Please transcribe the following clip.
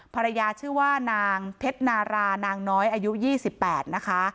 ภรรยาชื่อว่านางเพชรนารานางน้อยอายุ๒๘นะคะ